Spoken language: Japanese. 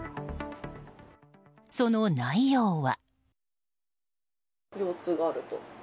その内容は。